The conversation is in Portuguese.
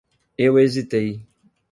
Eu hesitei